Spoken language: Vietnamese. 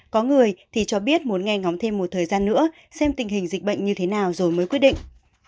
có người thì cho biết muốn nghe ngóng thêm một thời gian nữa xem tình hình dịch bệnh như thế nào rồi mới quyết định